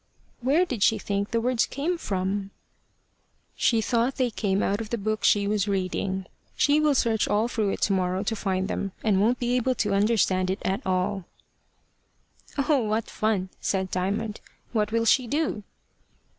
"Where did she think the words came from?" "She thought they came out of the book she was reading. She will search all through it to morrow to find them, and won't be able to understand it at all." "Oh, what fun!" said Diamond. "What will she do?"